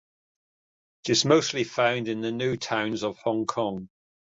It is mostly found in the new towns of Hong Kong.